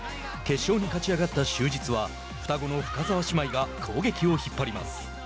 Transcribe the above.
決勝に勝ち上がった就実は双子の深澤姉妹が攻撃を引っ張ります。